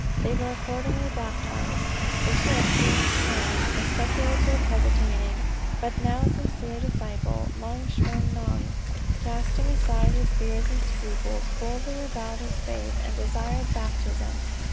They were accordingly baptized. The ship being detained, the speculative, hesitating, but now sincere disciple, Moung Shwa gnong, casting aside his fears and scruples, boldly avowed his faith, and desired baptism.